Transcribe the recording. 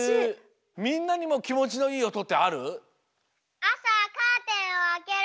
みんなにもきもちのいいおとってある？